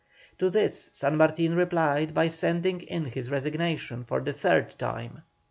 To this San Martin replied by sending in his resignation for the third time.